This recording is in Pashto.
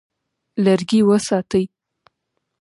لرګي وساتئ.